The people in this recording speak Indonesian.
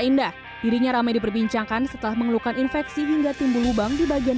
indah dirinya ramai diperbincangkan setelah mengeluhkan infeksi hingga timbul lubang di bagian